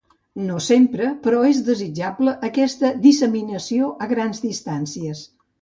No sempre, però, és desitjable aquesta disseminació a grans distàncies.